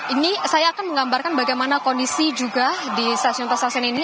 ini saya akan menggambarkan bagaimana kondisi juga di stasiun pasar stasiun ini